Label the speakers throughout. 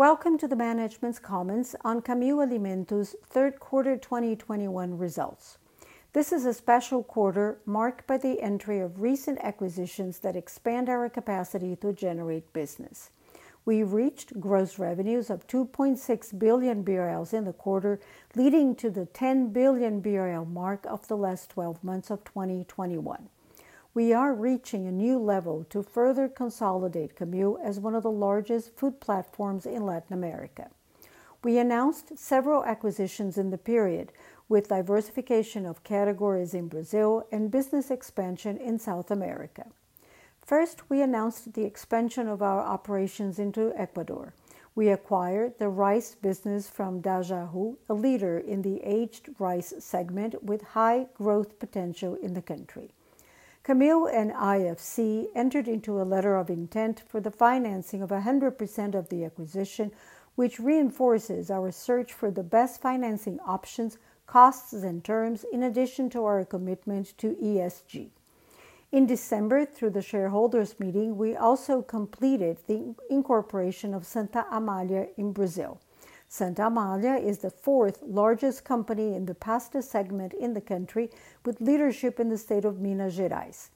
Speaker 1: Welcome to the management's comments on Camil Alimentos' Q3 2021 results. This is a special quarter marked by the entry of recent acquisitions that expand our capacity to generate business. We reached gross revenues of 2.6 billion BRL in the quarter, leading to the 10 billion BRL mark of the last 12 months of 2021. We are reaching a new level to further consolidate Camil as one of the largest food platforms in Latin America. We announced several acquisitions in the period, with diversification of categories in Brazil and business expansion in South America. First, we announced the expansion of our operations into Ecuador. We acquired the rice business from Dajahu, a leader in the aged rice segment with high growth potential in the country. Camil and IFC entered into a letter of intent for the financing of 100% of the acquisition, which reinforces our search for the best financing options, costs, and terms, in addition to our commitment to ESG. In December, through the shareholders' meeting, we also completed the incorporation of Santa Amália in Brazil. Santa Amália is the fourth largest company in the pasta segment in the country, with leadership in the state of Minas Gerais.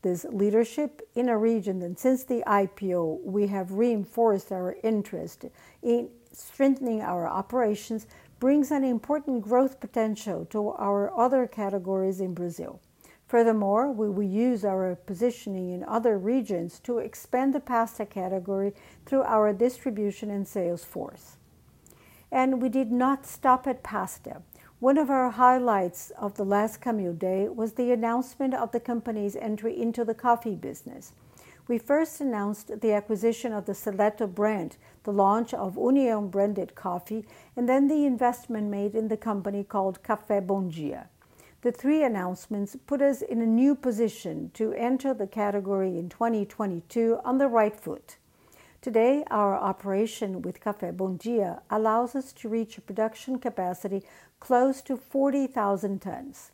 Speaker 1: This leadership in a region that since the IPO we have reinforced our interest in strengthening our operations brings an important growth potential to our other categories in Brazil. Furthermore, we will use our positioning in other regions to expand the pasta category through our distribution and sales force. We did not stop at pasta. One of our highlights of the last Camil Day was the announcement of the company's entry into the coffee business. We first announced the acquisition of the Seleto brand, the launch of União-branded coffee, and then the investment made in the company called Café Bom Dia. The three announcements put us in a new position to enter the category in 2022 on the right foot. Today, our operation with Café Bom Dia allows us to reach a production capacity close to 40,000 tons.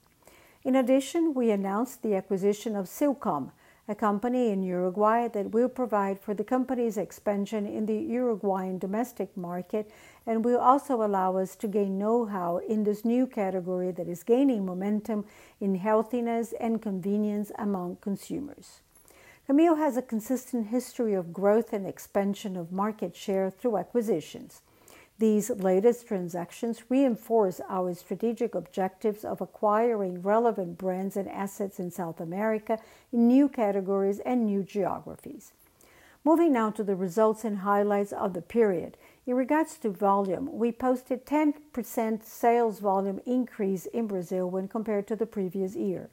Speaker 1: In addition, we announced the acquisition of Silcom, a company in Uruguay that will provide for the company's expansion in the Uruguayan domestic market and will also allow us to gain know-how in this new category that is gaining momentum in healthiness and convenience among consumers. Camil has a consistent history of growth and expansion of market share through acquisitions. These latest transactions reinforce our strategic objectives of acquiring relevant brands and assets in South America in new categories and new geographies. Moving now to the results and highlights of the period. In regards to volume, we posted 10% sales volume increase in Brazil when compared to the previous year.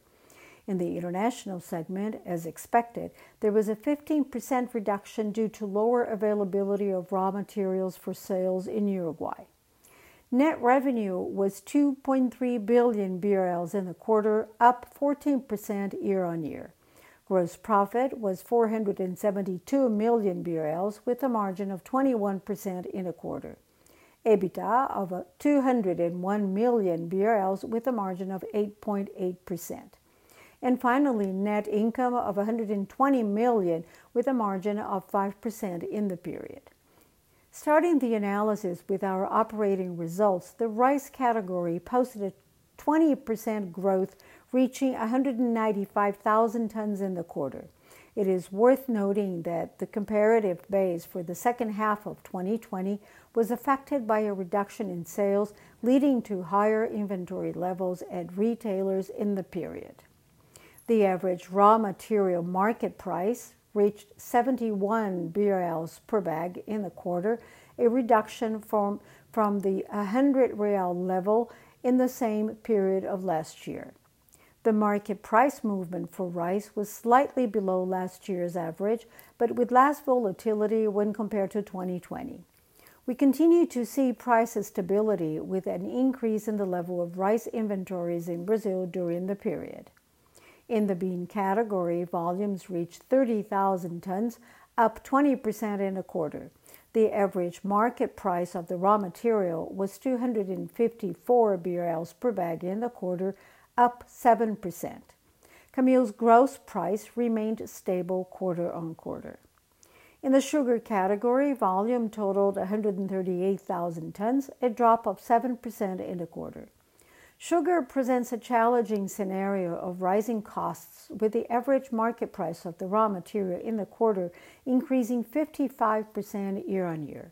Speaker 1: In the international segment, as expected, there was a 15% reduction due to lower availability of raw materials for sales in Uruguay. Net revenue was 2.3 billion BRL in the quarter, up 14% year-on-year. Gross profit was 472 million BRL, with a margin of 21% in the quarter. EBITDA of 201 million BRL with a margin of 8.8%. Finally, net income of 120 million with a margin of 5% in the period. Starting the analysis with our operating results, the rice category posted 20% growth, reaching 195,000 tons in the quarter. It is worth noting that the comparative base for the second half of 2020 was affected by a reduction in sales, leading to higher inventory levels at retailers in the period. The average raw material market price reached 71 BRL per bag in the quarter, a reduction from a 100 real level in the same period of last year. The market price movement for rice was slightly below last year's average, but with less volatility when compared to 2020. We continue to see price stability with an increase in the level of rice inventories in Brazil during the period. In the bean category, volumes reached 30,000 tons, up 20% in the quarter. The average market price of the raw material was 254 BRL per bag in the quarter, up 7%. Camil's gross price remained stable quarter-on-quarter. In the sugar category, volume totaled 138,000 tons, a drop of 7% in the quarter. Sugar presents a challenging scenario of rising costs with the average market price of the raw material in the quarter increasing 55% year-on-year.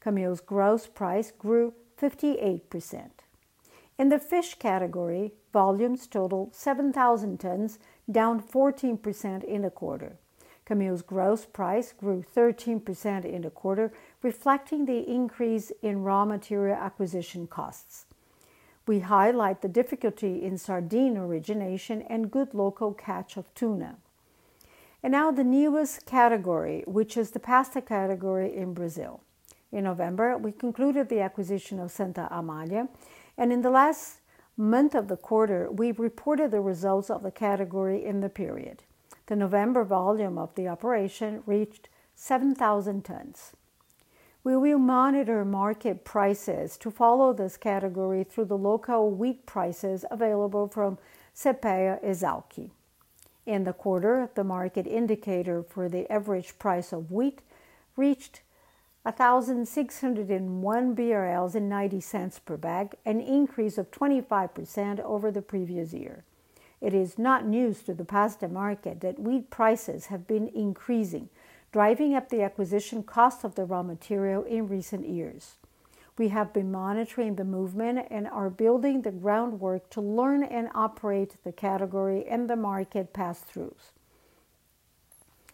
Speaker 1: Camil's gross price grew 58%. In the fish category, volumes totaled 7,000 tons, down 14% in the quarter. Camil's gross price grew 13% in the quarter, reflecting the increase in raw material acquisition costs. We highlight the difficulty in sardine origination and good local catch of tuna. Now the newest category, which is the pasta category in Brazil. In November, we concluded the acquisition of Santa Amália, and in the last month of the quarter, we reported the results of the category in the period. The November volume of the operation reached 7,000 tons. We will monitor market prices to follow this category through the local wheat prices available from CEPEA/ESALQ. In the quarter, the market indicator for the average price of wheat reached 1,601.90 BRL per bag, an increase of 25% over the previous year. It is not news to the pasta market that wheat prices have been increasing, driving up the acquisition cost of the raw material in recent years. We have been monitoring the movement and are building the groundwork to learn and operate the category and the market pass-throughs.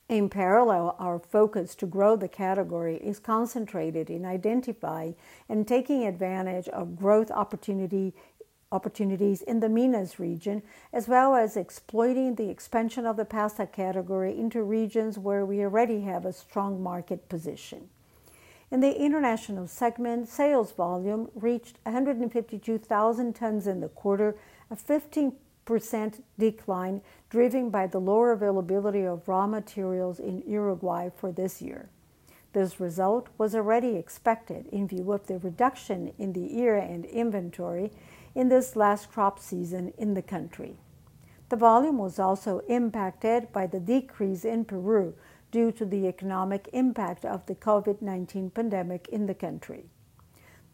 Speaker 1: In parallel, our focus to grow the category is concentrated in identifying and taking advantage of growth opportunities in the Minas region, as well as exploiting the expansion of the pasta category into regions where we already have a strong market position. In the international segment, sales volume reached 152,000 tons in the quarter, a 15% decline driven by the lower availability of raw materials in Uruguay for this year. This result was already expected in view of the reduction in the yield and inventory in this last crop season in the country. The volume was also impacted by the decrease in Peru due to the economic impact of the COVID-19 pandemic in the country.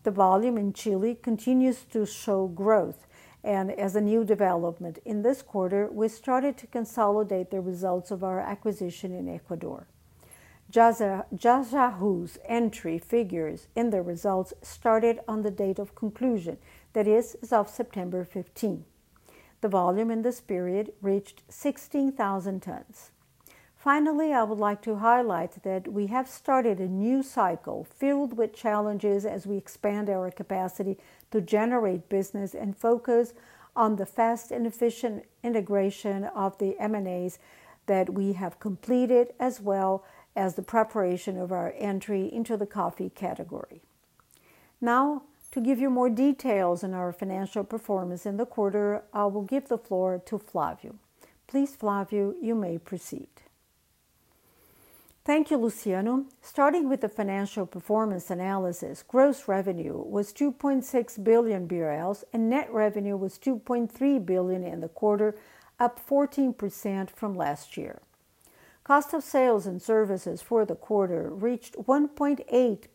Speaker 1: The volume in Chile continues to show growth, and as a new development in this quarter, we started to consolidate the results of our acquisition in Ecuador. Dajahu's entry figures in the results started on the date of conclusion, that is, as of September 15. The volume in this period reached 16,000 tons. Finally, I would like to highlight that we have started a new cycle filled with challenges as we expand our capacity to generate business and focus on the fast and efficient integration of the M&As that we have completed, as well as the preparation of our entry into the coffee category. Now, to give you more details on our financial performance in the quarter, I will give the floor to Flavio. Please, Flavio, you may proceed. Thank you, Luciano. Starting with the financial performance analysis, gross revenue was 2.6 billion BRL, and net revenue was 2.3 billion in the quarter, up 14% from last year.
Speaker 2: Cost of sales and services for the quarter reached 1.8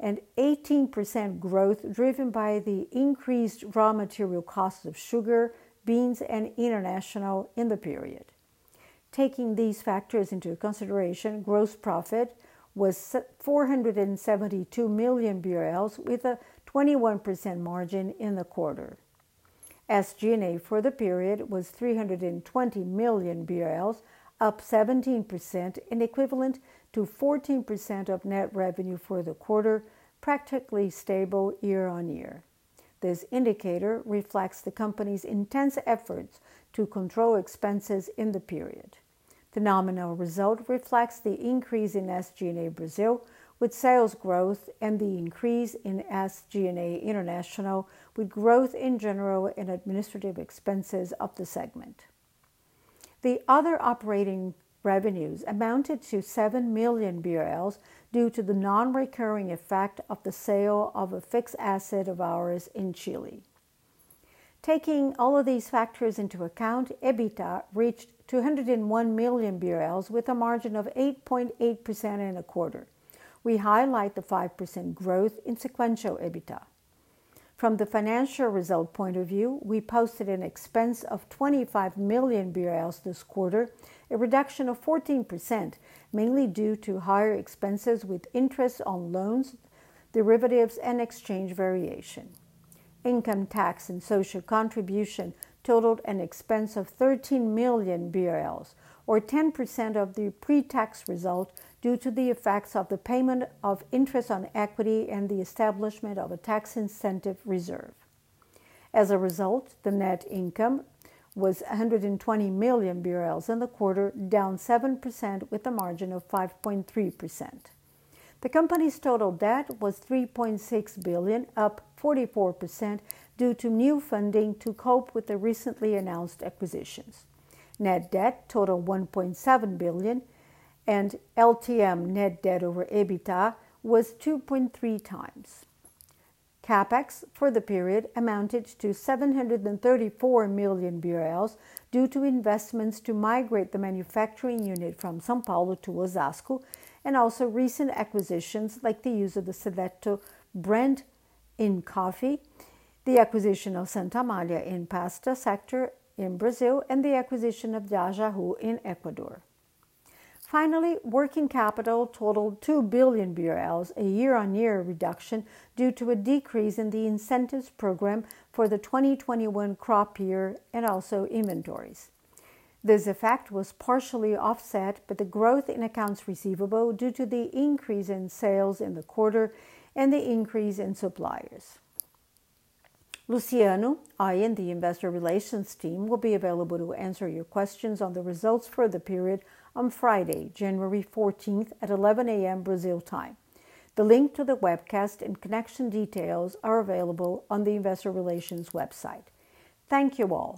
Speaker 2: billion BRL, 18% growth driven by the increased raw material costs of sugar, beans, and international in the period. Taking these factors into consideration, gross profit was 472 million BRL with a 21% margin in the quarter. SG&A for the period was 320 million BRL, up 17% and equivalent to 14% of net revenue for the quarter, practically stable year-on-year. This indicator reflects the company's intense efforts to control expenses in the period. The nominal result reflects the increase in SG&A Brazil with sales growth and the increase in SG&A International with growth in general and administrative expenses of the segment. The other operating revenues amounted to 7 million BRL due to the non-recurring effect of the sale of a fixed asset of ours in Chile. Taking all of these factors into account, EBITDA reached 201 million BRL with a margin of 8.8% in the quarter. We highlight the 5% growth in sequential EBITDA. From the financial result point of view, we posted an expense of 25 million BRL this quarter, a reduction of 14%, mainly due to higher expenses with interest on loans, derivatives, and exchange variation. Income tax and social contribution totaled an expense of 13 million BRL, or 10% of the pre-tax result due to the effects of the payment of interest on equity and the establishment of a tax incentive reserve. As a result, the net income was 120 million BRL in the quarter, down 7% with a margin of 5.3%. The company's total debt was 3.6 billion, up 44% due to new funding to cope with the recently announced acquisitions. Net debt totaled 1.7 billion, and LTM net debt over EBITDA was 2.3x. CapEx for the period amounted to 734 million BRL due to investments to migrate the manufacturing unit from São Paulo to Osasco, and also recent acquisitions like the use of the Seleto brand in coffee, the acquisition of Santa Amália in pasta sector in Brazil, and the acquisition of Dajahu in Ecuador. Finally, working capital totaled 2 billion BRL, a year-on-year reduction due to a decrease in the incentives program for the 2021 crop year and also inventories. This effect was partially offset by the growth in accounts receivable due to the increase in sales in the quarter and the increase in suppliers. Luciano, I and the investor relations team will be available to answer your questions on the results for the period on Friday, January fourteenth at 11:00 AM. Brazil time. The link to the webcast and connection details are available on the investor relations website. Thank you all.